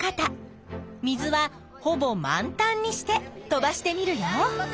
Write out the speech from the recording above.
水は「ほぼ満タン」にして飛ばしてみるよ。